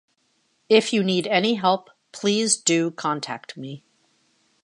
If you need any help please do contact me.